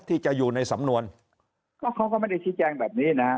ที่จะอยู่ในสำนวนก็เขาก็ไม่ได้ชี้แจงแบบนี้นะฮะ